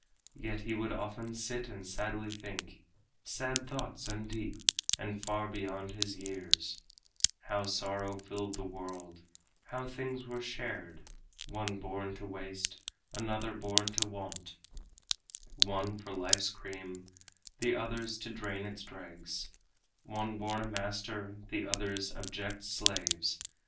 Yet he would often sit and sadly think Sad thoughts and deep, and far beyond his years; How sorrow filled the world; how things were shared One born to waste, another born to want; One for life's cream, others to drain its dregs; One born a master, others abject slaves.